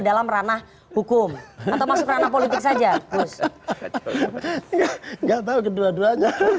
dalam ranah hukum atau masuk karena politik saja enggak tahu kedua duanya baik yang sudah terjerat